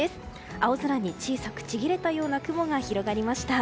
青空に小さくちぎれたような雲が広がりました。